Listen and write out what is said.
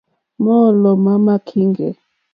Mɔ́ɔ̌lɔ̀ má má kíŋɡɛ̀.